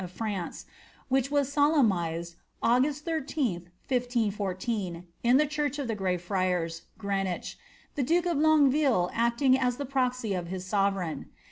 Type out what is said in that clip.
of France, which was solemnised August 13, 1514, in the church of the Grey Friars, Greenwich, the duke of Longueville acting IS the proxy of his sovereign.